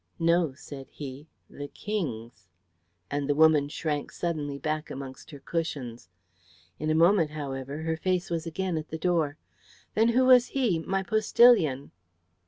"No," said he, "the King's;" and the woman shrank suddenly back amongst her cushions. In a moment, however, her face was again at the door. "Then who was he, my postillion?"